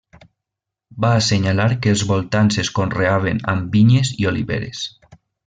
Va assenyalar que els voltants es conreaven amb vinyes i oliveres.